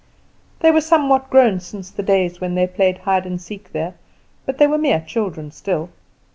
They were somewhat grown since the days when they played hide and seek there, but they were mere children still.